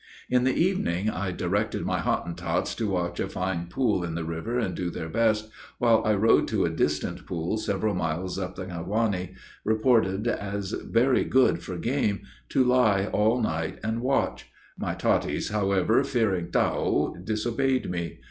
In the evening I directed my Hottentots to watch a fine pool in the river, and do their best, while I rode to a distant pool several miles up the Ngotwani, reported as very good for game, to lie all night and watch: my Totties, however, fearing "Tao," disobeyed me.